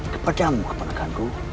kepada mu kepada kandu